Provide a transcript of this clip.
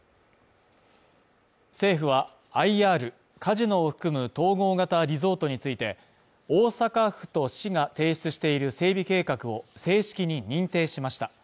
政府はＩＲ＝カジノを含む統合型リゾートについて、大阪府と市が提出している整備計画を正式に認定しました。